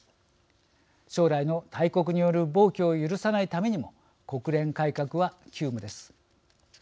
将来の大国による暴挙を許さないためにも国連改革は急務です。